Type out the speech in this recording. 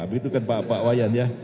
begitu kan pak wayan ya